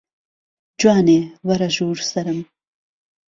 جوانێ وەرە ژوور سەرم